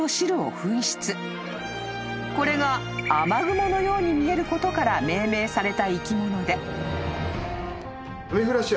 ［これが雨雲のように見えることから命名された生き物で］